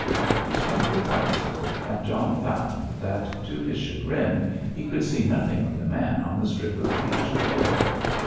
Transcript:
He swung the telescope, and John found that, to his chagrin, he could see nothing of the man on the strip of beach below.